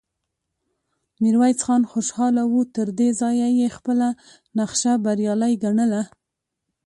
ميرويس خان خوشاله و، تر دې ځايه يې خپله نخشه بريالی ګڼله،